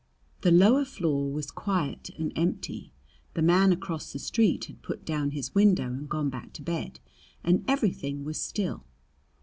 The lower floor was quiet and empty. The man across the street had put down his window and gone back to bed, and everything was still.